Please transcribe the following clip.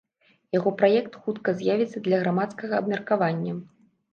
Яго праект хутка з'явіцца для грамадскага абмеркавання.